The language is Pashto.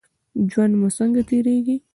ژوند مو څنګه تیریږي؟